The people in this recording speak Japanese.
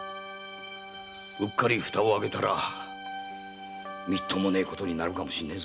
うっかり蓋を開けたらみっともねえことになるかもな。